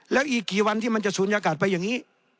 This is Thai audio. แล้วอีกกี่วันที่มันจะศูนยากาศไปอย่างนี้